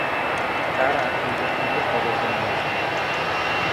কারা ক্রিকেট থেকে অবসর নিয়েছেন?